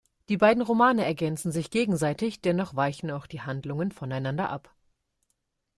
Die beiden Romane ergänzen sich gegenseitig, dennoch weichen auch die Handlungen voneinander ab.